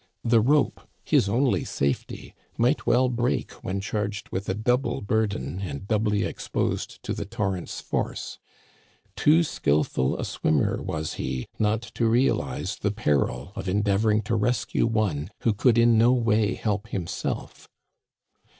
The rope, his only safety, might well break when charged with a double burden and doubly exposed to the torrent's force. Too skillful a swimmer was he not to realize the peril of en deavoring to rescue one who could in no way help him self.